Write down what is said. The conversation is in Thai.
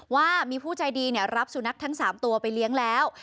ว่ามีผู้ใจดีรับสุนัขทั้ง๓ตัวไปเลี้ยงแล้ว